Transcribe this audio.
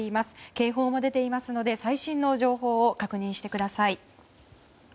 警報も出ていますので最新の情報を確認してください。